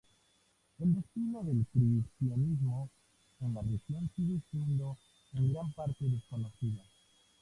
El destino del cristianismo en la región sigue siendo en gran parte desconocido.